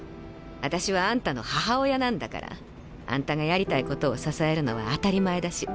あたしはあんたの母親なんだからあんたがやりたいことを支えるのは当たり前だし。